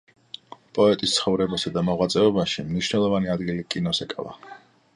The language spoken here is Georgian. პოეტის ცხოვრებასა და მოღვაწეობაში მნიშვნელოვანი ადგილი კინოს ეკავა.